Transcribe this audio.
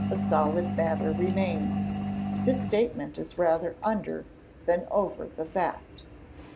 of solid matter remain. This statement is rather under than over the fact.